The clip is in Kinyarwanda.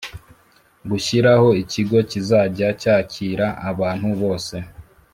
gushyiraho ikigo kizajya cyakira abantu bose